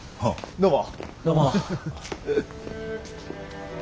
どうも。